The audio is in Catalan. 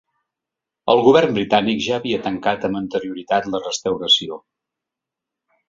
El govern britànic ja havia tancat amb anterioritat la restauració.